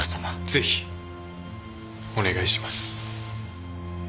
ぜひお願いします。